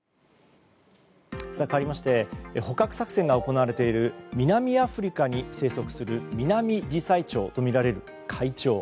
かわりまして捕獲作戦が行われている南アフリカに生息するミナミジサイチョウとみられる怪鳥。